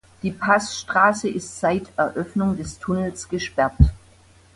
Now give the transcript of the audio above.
Die Pass-Straße ist seit Eröffnung des Tunnels gesperrt.